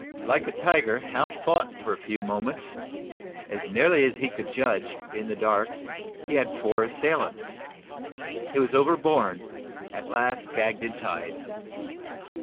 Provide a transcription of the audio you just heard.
Like a tiger Hal fought for a few moments. As nearly as he could judge, in the dark, he had four assailants. He was overborne, at last gagged and tied.